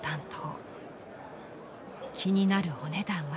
気になるお値段は。